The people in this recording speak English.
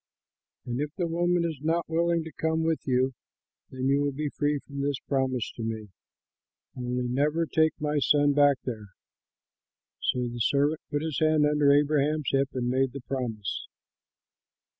But if the woman is not willing to come with you, then you will be free from this promise to me; only never take my son back there." So the servant put his hand under Abraham's hip and made the promise.